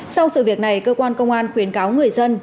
sau sự việc này cơ quan công an khuyến cáo người dân